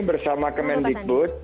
bersama kemen diput